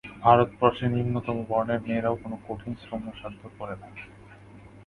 ভারতবর্ষে নিম্নতম বর্ণের মেয়েরাও কোন কঠিন শ্রমসাধ্য কাজ করে না।